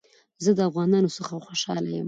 زه د افغانانو څخه خوشحاله يم